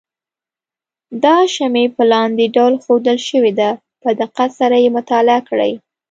دا شمې په لاندې ډول ښودل شوې ده په دقت سره یې مطالعه کړئ.